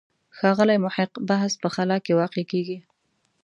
ښاغلي محق بحث په خلا کې واقع کېږي.